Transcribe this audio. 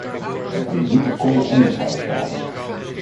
Je kunt niet de kool en de geit sparen.